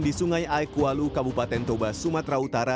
di sungai aekwalu kabupaten toba sumatera utara